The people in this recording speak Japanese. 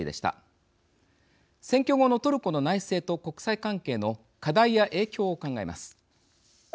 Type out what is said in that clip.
選挙後のトルコの内政と国際関係の課題や影響を考えます。